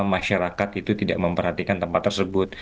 masyarakat itu tidak memperhatikan tempat tersebut